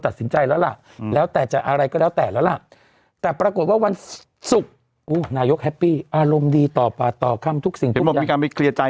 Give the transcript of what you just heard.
ตัดสินใจแล้วล่ะอืมแล้วแต่จะอะไรก็แล้วแต่แล้วล่ะแต่ปรากฏว่าวันศุกร์อู้ว